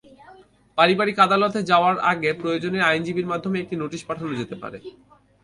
পারিবারিক আদালতে যাওয়ার আগে প্রয়োজনে আইনজীবীর মাধ্যমে একটি নোটিশ পাঠানো যেতে পারে।